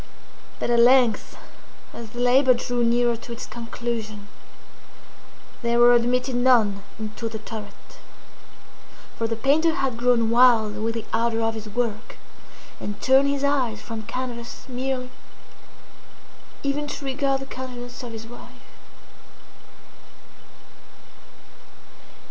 But at length, as the labor drew nearer to its conclusion, there were admitted none into the turret; for the painter had grown wild with the ardor of his work, and turned his eyes from canvas merely, even to regard the countenance of his wife.